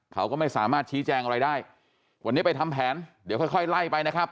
เขาก็ไม่สามารถชี้แจงอะไรได้วันนี้ไปทำแผนเดี๋ยวค่อยค่อยไล่ไปนะครับ